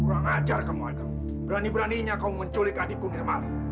kurang ajar kamu aiko berani beraninya kamu menculik adikku nirmala